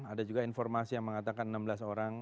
ada juga informasi yang mengatakan enam belas orang